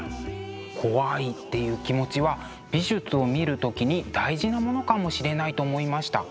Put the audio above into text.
怖いっていう気持ちは美術を見る時に大事なものかもしれないと思いました。